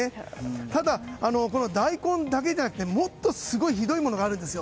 ただ、この大根だけじゃなくてひどいものがあるんですよ。